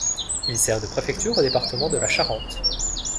Il sert de préfecture au département de la Charente.